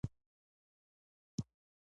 ما یوازې پر تا د هغه باور کولای شو او بس.